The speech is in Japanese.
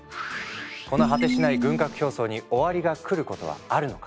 この果てしない軍拡競争に終わりが来ることはあるのか。